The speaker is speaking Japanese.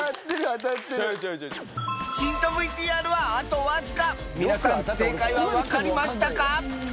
ヒントＶＴＲはあとわずか皆さん正解は分かりましたか？